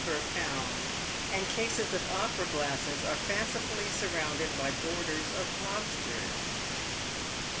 per pound, and cases of opera glasses are fancifully surrounded by borders of lobsters.